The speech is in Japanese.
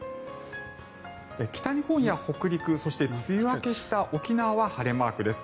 北日本や北陸そして梅雨明けした沖縄は晴れマークです。